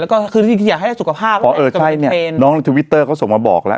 แล้วก็คือที่ที่อยากให้สุขภาพเพราะเออใช่เนี้ยน้องทวิตเตอร์เขาส่งมาบอกแล้ว